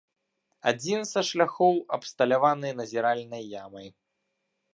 Адзін са шляхоў абсталяваны назіральнай ямай.